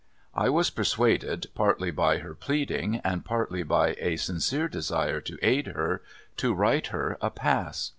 I was persuaded, partly by her pleading, and partly by a sincere desire to aid her, to write her a pass.